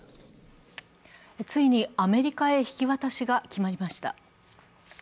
ついにアメリカへ引き渡しが決まりました。